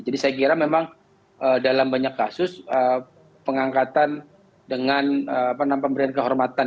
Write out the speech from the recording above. jadi saya kira memang dalam banyak kasus pengangkatan dengan penampang berhenti kehormatan